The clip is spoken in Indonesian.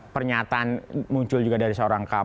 pernyataan muncul juga dari seorang kpk